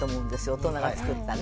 大人がつくったね。